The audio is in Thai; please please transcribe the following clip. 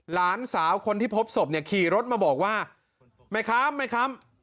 หลานสาวคนที่พบศพเนี่ยขี่รถมาบอกว่าแม่ครับแม่ครับ